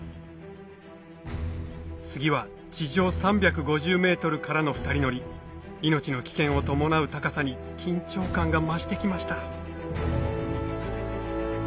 次は地上３５０ｍからの２人乗り命の危険を伴う高さに緊張感が増して来ました